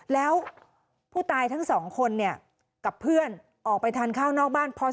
แล้วผู้ตายทั้งสองคนเนี่ยกับเพื่อนออกไปทานข้าวนอกบ้าน